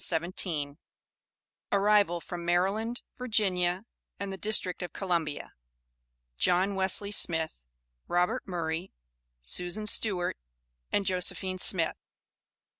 ARRIVAL FROM MARYLAND, VIRGINIA, AND THE DISTRICT OF COLUMBIA. JOHN WESLEY SMITH, ROBERT MURRAY, SUSAN STEWART, AND JOSEPHINE SMITH.